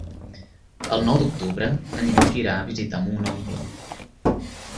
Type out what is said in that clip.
El nou d'octubre en Lluc irà a visitar mon oncle.